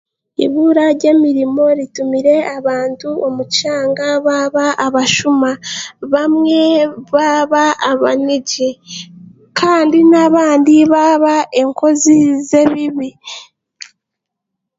Eibura ry'emirimo ritumire abantu omu kyanga baaba abashuma bamwe baaba abanyagi kandi abandi baaba enkozi z'ebibi